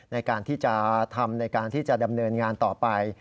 ในการที่จะทำในการที่จะดำเนินงานต่อไป